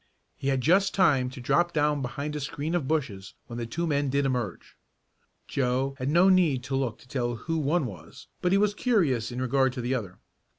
He had just time to drop down behind a screen of bushes when the two men did emerge. Joe had no need to look to tell who one was, but he was curious in regard to the other.